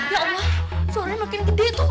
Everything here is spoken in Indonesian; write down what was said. ya allah suaranya makin gede tuh